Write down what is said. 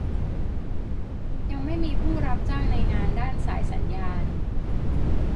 ยังไม่มีผู้รับจ้างในงานด้านสายสัญญาณ